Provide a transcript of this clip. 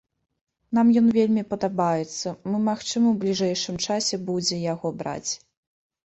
Нам ён вельмі падабаецца, мы магчыма ў бліжэйшым часе будзе яго браць.